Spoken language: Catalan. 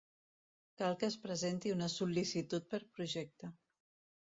Cal que es presenti una sol·licitud per projecte.